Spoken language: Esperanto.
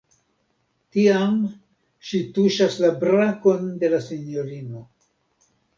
Tiam ŝi tuŝas la brakon de la sinjorino.